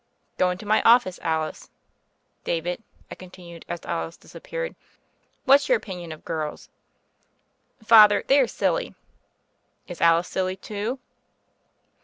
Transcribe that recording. "Go in to my office, Alice. David," I con tinued as Alice disappeared, "what's your opin ion of girls?" "Father, they are silly." "Is Alice silly, too?"